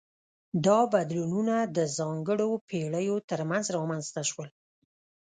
دا بدلونونه د ځانګړو پیړیو ترمنځ رامنځته شول.